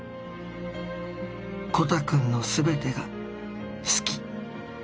コタくんのすべてが好き。